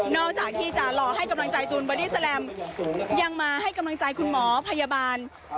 จากที่จะรอให้กำลังใจตูนบอดี้แลมยังมาให้กำลังใจคุณหมอพยาบาล